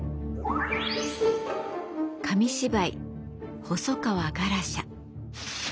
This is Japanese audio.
紙芝居「細川ガラシャ」。